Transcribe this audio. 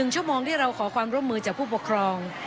ชั่วโมงที่เราขอความร่วมมือจากผู้ปกครอง